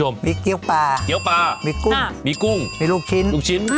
มีลูกชิ้น